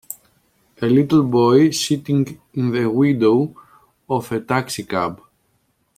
A little boy sitting in the window of a taxi cab.